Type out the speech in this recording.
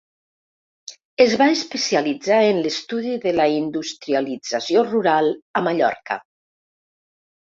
Es va especialitzar en l'estudi de la industrialització rural a Mallorca.